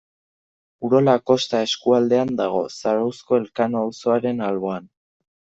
Urola Kosta eskualdean dago, Zarauzko Elkano auzoaren alboan.